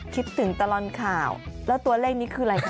คิดถึงตลอดข่าวแล้วตัวเลขนี้คืออะไรคะ